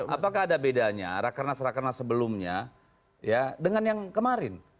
apakah ada bedanya rakernas rakernas sebelumnya ya dengan yang kemarin